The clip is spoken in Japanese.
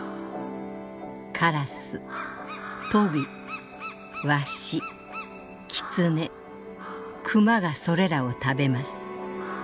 カラストビワシキツネ熊がそれらを食べます。